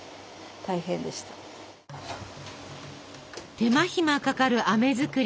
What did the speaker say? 手間暇かかるあめ作り。